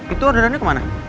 itu adanya kemana